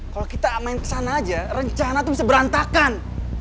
kalau kita main kesana aja rencana itu bisa berantakan